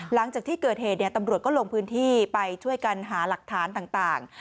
หลังจากที่เกิดเหตุตำรวจก็ลงพื้นที่ไปช่วยกันหาหลักฐานต่าง